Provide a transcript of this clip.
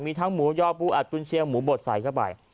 มีทั้งหมูยอปูอัดกุญเชียงหมูบดใส่เข้าไป